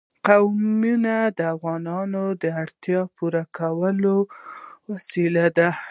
قومونه د افغانانو د اړتیاوو د پوره کولو وسیله ده.